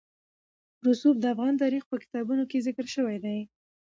رسوب د افغان تاریخ په کتابونو کې ذکر شوی دي.